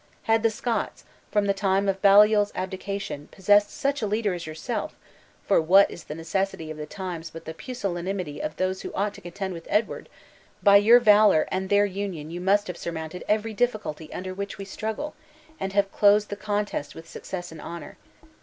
Had the Scots, from the time of Baliol's abdication, possessed such a leader as yourself (for what is the necessity of the times but the pusillanimity of those who ought to contend with Edward?) by your valor and their union you must have surmounted every difficulty under which we struggle, and have closed the contest with success and honor.